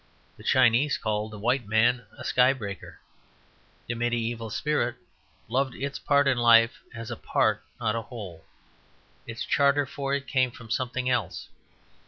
The Chinese called the white man "a sky breaker." The mediæval spirit loved its part in life as a part, not a whole; its charter for it came from something else.